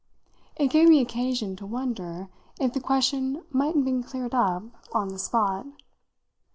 It gave me occasion to wonder if the question mightn't be cleared up on the spot.